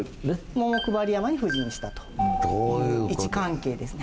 桃配山に布陣したという位置関係ですね。